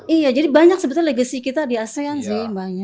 iya jadi banyak sebetulnya legacy kita di asean sih mbaknya